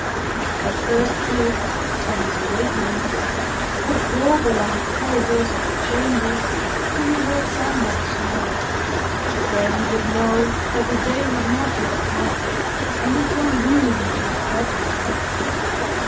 At first Dick, on his awakenings, would grope along the corridors of the chambers till he heard some one snore. Then he would know that the day had not yet come, and return wearily to his bedroom.